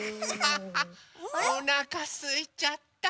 おなかすいちゃった。